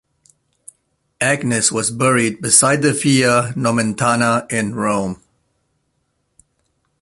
Agnes was buried beside the Via Nomentana in Rome.